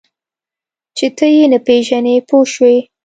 چې ته یې نه پېژنې پوه شوې!.